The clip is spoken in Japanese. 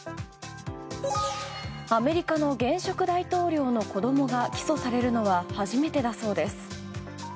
アメリカの現職大統領の子供が起訴されるのは初めてだそうです。